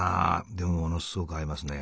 でもものすごく合いますね。